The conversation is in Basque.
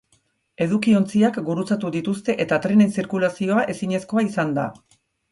Edukiontziak gurutzatu dituzte eta trenen zirkulazioa ezinezkoa izan da.